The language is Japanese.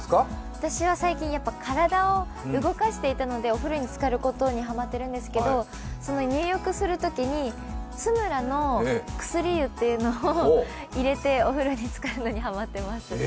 私は最近、体を動かしていたので、お風呂につかることにハマっているんですけど入浴するときにツムラの薬湯っていうのを入れてお風呂につかるのにハマってます。